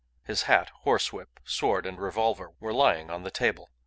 His hat, horsewhip, sword, and revolver were lying on the table.